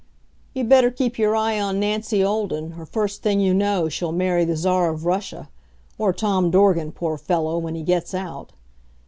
You'd better keep your eye on Nancy Olden, or first thing you know she'll marry the Czar of Russia or Tom Dorgan, poor fellow, when he gets out!